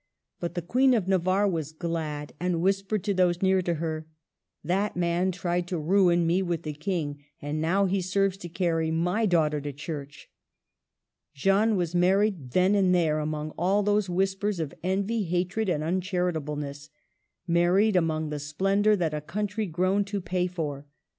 But the Queen of Na varre was glad, and whispered to those near to her: ''That man tried to ruin me with the King; and now he serves to carry my daugh ter to church." Jeanne was married then and there, among all those whispers of envy, hatred, and uncharita bleness, — married among the splendor that a country groaned to pay for.